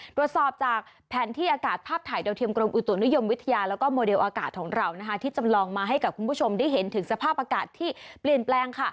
ตรวจสอบจากแผนที่อากาศภาพถ่ายดาวเทียมกรมอุตุนิยมวิทยาแล้วก็โมเดลอากาศของเราที่จำลองมาให้กับคุณผู้ชมได้เห็นถึงสภาพอากาศที่เปลี่ยนแปลง